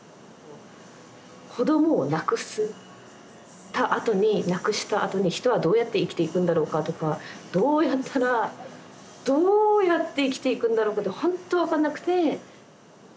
子どもを亡くしたあとに人はどうやって生きていくんだろうかとかどうやったらどうやって生きていくんだろうかとほんと分かんなくて。